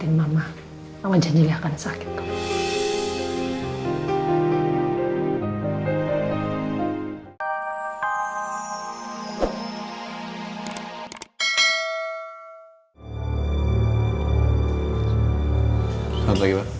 selamat pagi pak